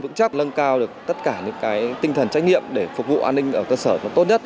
vững chấp lân cao được tất cả những tinh thần trách nhiệm để phục vụ an ninh ở cơ sở tốt nhất